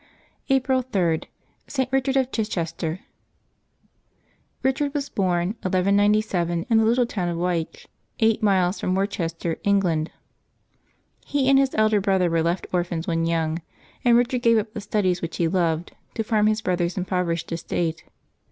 April 3.— ST. RICHARD OF CHICHESTER. fiICHARD was born, 1197, in the little town of Wyche, eight miles from Worcester, England. He and his elder brother were left orphans when young, and Eichard gave up the studies which he loved, to farm his brother's impoverished estate.